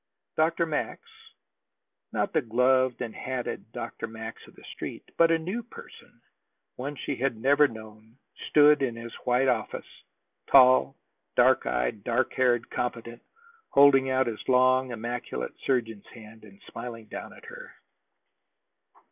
Dr. Max not the gloved and hatted Dr. Max of the Street, but a new person, one she had never known stood in his white office, tall, dark eyed, dark haired, competent, holding out his long, immaculate surgeon's hand, and smiling down at her.